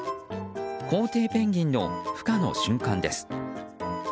コウテイペンギンの孵化の瞬間です。